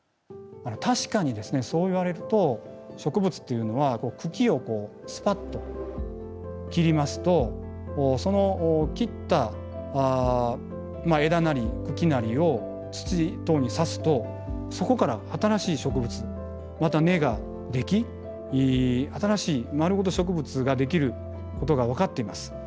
確かにですねそう言われると植物っていうのは茎をスパッと切りますとその切った枝なり茎なりを土等に挿すとそこから新しい植物また根ができ新しい丸ごと植物ができることが分かっています。